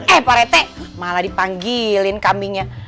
eh parete malah dipanggilin kambingnya